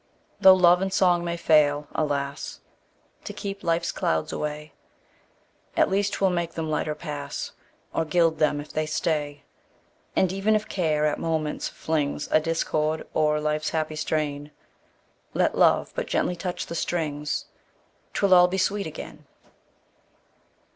Tho' love and song may fail, alas! To keep life's clouds away, At least 'twill make them lighter pass, Or gild them if they stay. And even if Care at moments flings A discord o'er life's happy strain, Let Love but gently touch the strings, 'Twill all be sweet again!